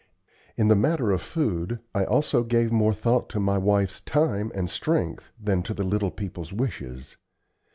In the matter of food, I also gave more thought to my wife's time and strength than to the little people's wishes.